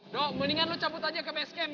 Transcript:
dok mendingan lo cabut aja ke base camp